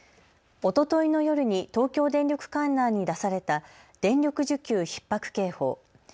おとといの夜に東京電力管内に出された電力需給ひっ迫警報。